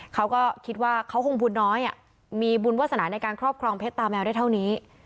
เขาก็คิดว่าเขาคงบุญน้อยมีบุญวาสนาในการครอบครองเพชรตาแมวได้เท่านี้